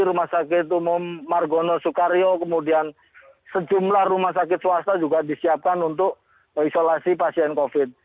rumah sakit umum margono soekario kemudian sejumlah rumah sakit swasta juga disiapkan untuk isolasi pasien covid